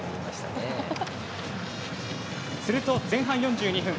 すると前半４２分。